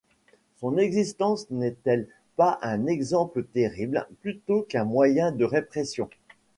Son existence n'est-elle pas un exemple terrible plutôt qu'un moyen de répression?